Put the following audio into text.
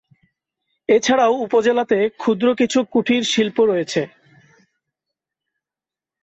এছাড়াও উপজেলাতে ক্ষুদ্র কিছু কুঠির শিল্প রয়েছে।